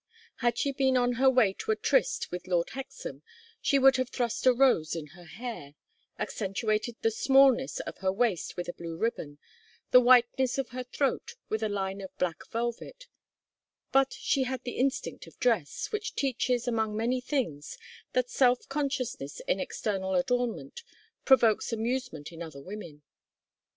Had she been on her way to a tryst with Lord Hexam she would have thrust a rose in her hair, accentuated the smallness of her waist with a blue ribbon, the whiteness of her throat with a line of black velvet; but she had the instinct of dress, which teaches, among many things, that self consciousness in external adornment provokes amusement in other women.